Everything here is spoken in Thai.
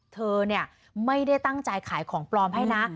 เธอเนี่ยไม่ได้ตั้งใจขายของปลอมให้นะ